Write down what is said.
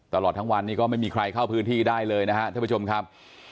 ตลอดทั้งวันนี้ก็ไม่มีใครเข้าพื้นที่ได้เลยนะครับท่านผู้ชมครับ